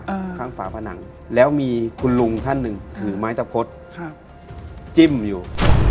อ่าข้างฝาผนังแล้วมีคุณลุงท่านหนึ่งถือไม้ตะพดครับจิ้มอยู่